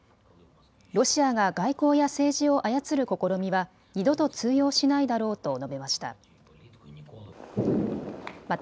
ロシアが外交や政治を操る試みは二度と通用しないだろうと述べました。